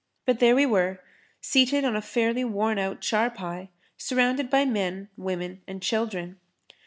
But there we were, seated on a fairly worn out charpai, surrounded by men, women and children.